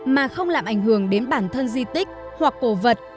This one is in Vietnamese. mà không làm ảnh hưởng đến bản thân di tích hoặc cổ vật